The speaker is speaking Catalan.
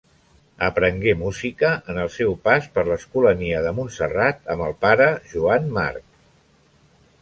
Aprengué música en el seu pas per l'Escolania de Montserrat amb el pare Joan Marc.